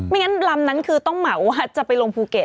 งั้นลำนั้นคือต้องเหมาจะไปลงภูเก็ต